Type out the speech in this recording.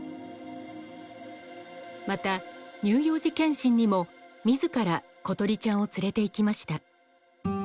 また乳幼児健診にも自ら詩梨ちゃんを連れていきました。